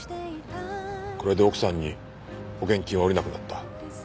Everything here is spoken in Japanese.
これで奥さんに保険金はおりなくなった。